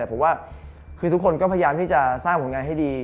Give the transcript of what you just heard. แต่ผมว่าคือทุกคนก็พยายามที่จะสร้างผลงานให้ดี